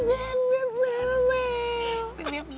memetit itu sudah puas